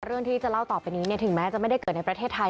เรื่องที่จะเล่าต่อไปนี้ถึงแม้จะไม่ได้เกิดในประเทศไทย